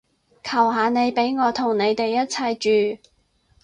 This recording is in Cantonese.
求下你畀我同你哋一齊住